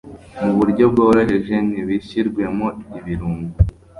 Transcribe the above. mu buryo bworoheje, ntibishyirwemo ibirungo